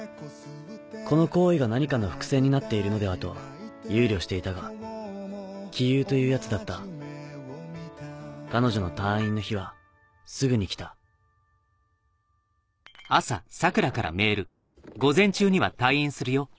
この行為が何かの伏線になっているのではと憂慮していたが杞憂というやつだった彼女の退院の日はすぐに来た・よう！